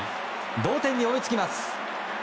同点に追いつきます。